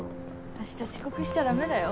明日遅刻しちゃダメだよ。